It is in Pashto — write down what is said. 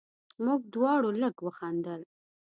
موږ دواړو لږ وخندل.